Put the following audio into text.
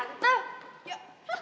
adriana turun ya